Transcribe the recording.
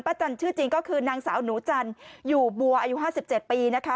จันชื่อจริงก็คือนางสาวหนูจันอยู่บัวอายุ๕๗ปีนะคะ